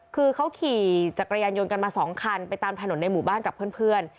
คือเขาขี่จากกระยานยนต์มาสองคันไปตามถนนในหมู่บ้างกับเพื่อนเพื่อน